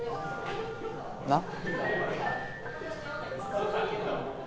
なっ？